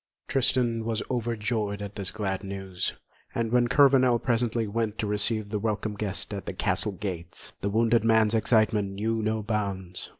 Tristan was overjoyed at this glad news, and when Kurvenal presently went to receive the welcome guest at the castle gates, the wounded man's excitement knew no bounds.